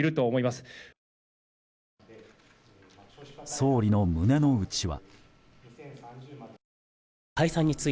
総理の胸の内は。